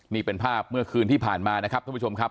นี่เป็นภาพเมื่อคืนที่ผ่านมานะครับท่านผู้ชมครับ